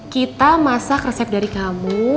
kita masak resep dari kamu